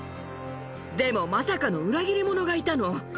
でも、まさかの裏切り者がいたの。